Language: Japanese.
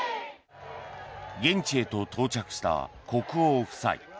現地へと到着した国王夫妻。